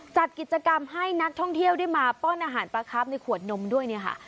จัดกิจกรรมให้นักท่องเที่ยวได้มาป้อนอาหารปลาครับในขวดนมด้วยเนี่ยค่ะ